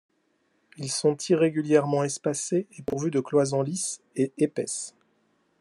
Ils sont irrégulièrement espacés et pourvus de cloisons lisses et épaisses.